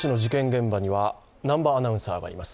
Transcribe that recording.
現場には南波アナウンサーがいます。